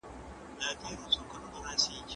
ډيپلوماتيکي خبري اترې د باور په فضا کي ترسره کیږي.